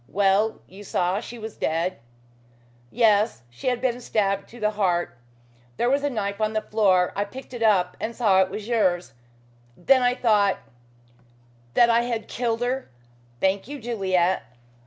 "Well, you saw she was dead?" "Yes. She had been stabbed to the heart. There was a knife on the floor. I picked it up and saw it was yours. Then I thought " "That I had killed her. Thank you, Juliet."